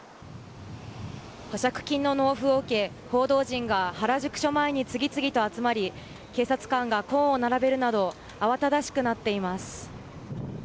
保釈金の納付を受け、報道陣が原宿署前に次々集まり警察官がコーンを並べるなど慌ただしくなっています。